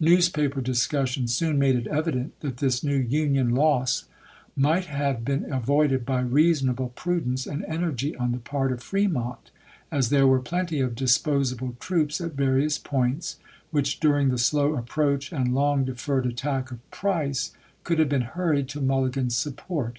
Newspaper discussion soon made it evident that this new Union loss might have been avoided by reasonable prudence and energy on the part of Fremont, as there were plenty of disposable troops at various points, which, during the slow approach and long deferred attack of Price, could have been hurried to Mulli gan's support.